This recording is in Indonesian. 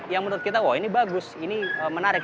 yang menurut kita wah ini bagus ini menarik